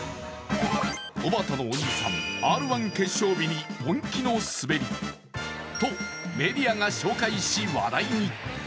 おばたのお兄さん、「Ｒ−１」決勝日に本気の滑りと、メディアが紹介し、話題に。